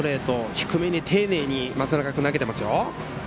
低めに丁寧に松中君投げてますよ。